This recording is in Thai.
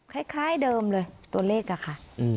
คล้ายเดิมเลยตัวเลขอะค่ะ